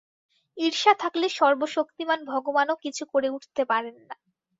ঈর্ষা থাকলে সর্বশক্তিমান ভগবানও কিছু করে উঠতে পারেন না।